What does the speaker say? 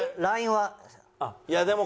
ＬＩＮＥは。